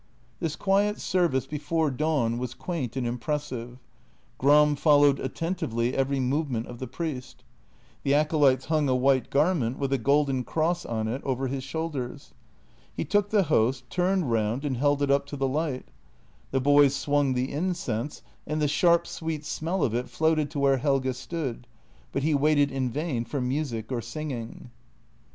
This quiet service before dawn was quaint and impressive; Gram followed attentively every movement of the priest. The acolytes hung a white garment, with a golden cross on it, over his shoulders. He took the Host, turned round and held it up to the light. The boys swung the incense, and the sharp, sweet smell of it floated to where Helge stood, but he waited in vain for music or singing.